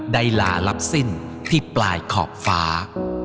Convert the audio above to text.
ลาลับสิ้นที่ปลายขอบฟ้า